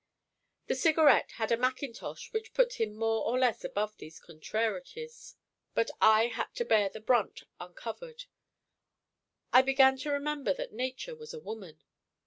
The Cigarette had a mackintosh which put him more or less above these contrarieties. But I had to bear the brunt uncovered. I began to remember that nature was a woman.